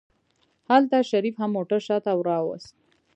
هلته شريف هم موټر شاته راوست.